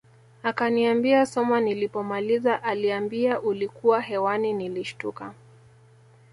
Akaniambia soma nilipomaliza aliambia ulikuwa hewani nilishtuka